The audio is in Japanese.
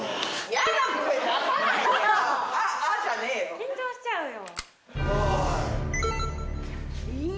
緊張しちゃうよ。